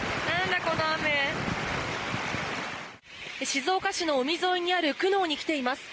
静岡市の海沿いにある久能に来ています。